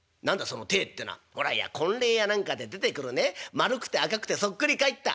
「ほら婚礼や何かで出てくるね丸くて赤くてそっくり返った」。